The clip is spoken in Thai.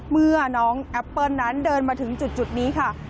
เมื่อน้องแอปเปิ้ลนั้นเดินมาถึงจุดนี้ค่ะ